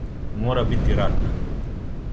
Мора бити рата.